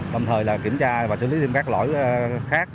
đồng thời kiểm tra và xử lý nghiêm các lỗi khác